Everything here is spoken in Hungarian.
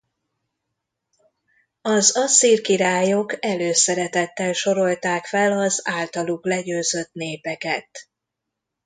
Az asszír királyok előszeretettel sorolták fel az általuk legyőzött népeket.